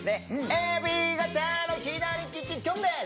「ＡＢ型の左利き、きょんです！」